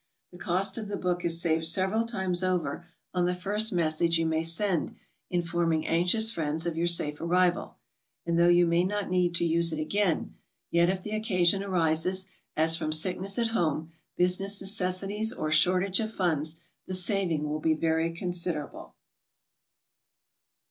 The cost qf the book is saved several times over on the first message you may send informing anxious friends of your safe arrival, and though you may not need to use it again, yet if the oc casion arises, as from sickness at borne, business necessities, or shortage of funds, the saving will be very considerable.